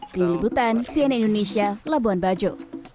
dilibutan siena indonesia labuan bajo